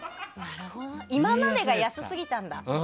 今までが安すぎたんだ。